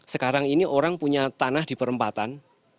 sekarang ini orang punya tanah di perempatan